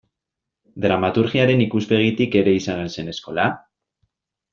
Dramaturgiaren ikuspegitik ere izan al zen eskola?